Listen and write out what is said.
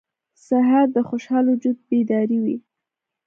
سهار د خوشحال وجود بیداروي.